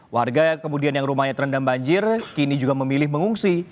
warga kemudian yang rumahnya terendam banjir kini juga memilih mengungsi